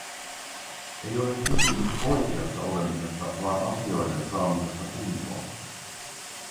Ei ole kysymys oikeassa olemisesta vaan asioiden saamisesta kuntoon.